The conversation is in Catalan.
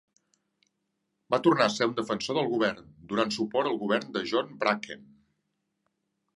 Va tornar a ser un defensor del govern, donant suport al govern de John Bracken.